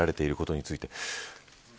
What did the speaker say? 訴えられていることについて。